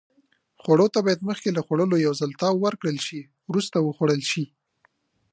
خوړو ته باید مخکې له خوړلو یو ځل تاو ورکړل شي. وروسته وخوړل شي.